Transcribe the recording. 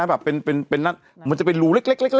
มันจะเป็นรูเล็ก